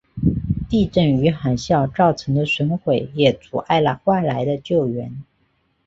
地震与海啸造成的损毁也阻碍了外来的救援。